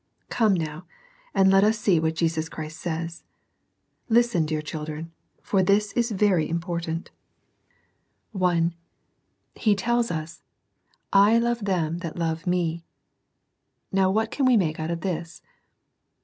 Come, now, and let us see what Jesus Christ says ;— listen, dear children, for this is very important. SEEKING THE LORD EARLY. II3 I. He tells us, —" I love them that love Me." Now what can we make out of this